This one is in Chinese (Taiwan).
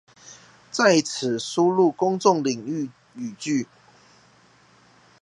在此輸入公眾領域語句